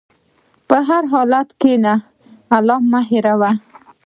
په هر حالت کښېنه، الله مه هېروه.